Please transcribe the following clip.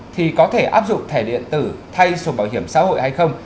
thì có thể áp dụng thẻ điện tử thay sổ bảo hiểm xã hội hay không